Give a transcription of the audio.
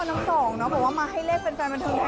ที่พี่มณศิษย์มองให้เป็นแฟนนะคะ